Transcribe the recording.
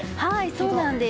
そうなんです。